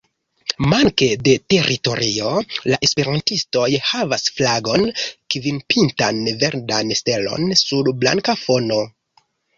Manke de teritorio, la esperantistoj havas flagon, kvinpintan verdan stelon sur blanka fono.